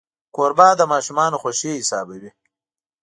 کوربه د ماشومانو خوښي حسابوي.